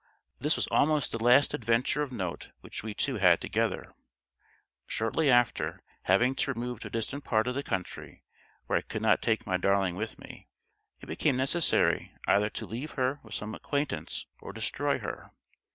This was almost the last adventure of note which we two had together. Shortly after, having to remove to a distant part of the country, where I could not take my darling with me, it became necessary either to leave her with some acquaintance or destroy her.